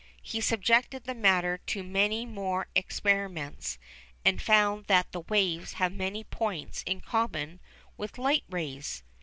He subjected the matter to many more experiments and found that the waves have many points in common with light rays.